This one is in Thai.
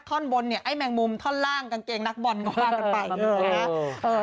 ท่อนบนเนี่ยไอ้แมงมุมท่อนล่างกางเกงนักบอลก็ว่ากันไป